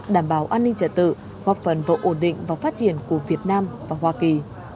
đảm bảo an ninh trật tự góp phần vào ổn định và phát triển của việt nam và hoa kỳ